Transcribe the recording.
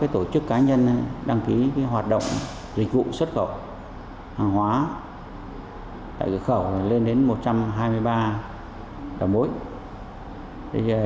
tổ chức cá nhân đăng ký hoạt động dịch vụ xuất khẩu hàng hóa tại cửa khẩu lên đến một trăm hai mươi ba mối